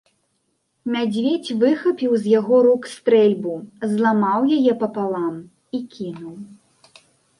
Мядзведзь выхапіў з яго рук стрэльбу, зламаў яе папалам і кінуў.